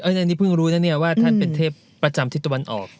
หาโอเคอ่ะแต่นี่เพิ่งรู้แล้วเนี่ยว่าท่านเป็นเทพประจำทิศตวรรณออก